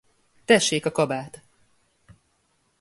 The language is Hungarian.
Tessék a kabát!